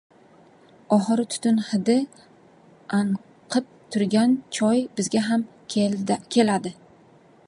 Oxiri tutun hidi anqib turgan choy bizga ham keladi.